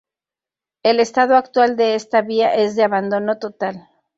El estado actual de esta Vía es de abandono total.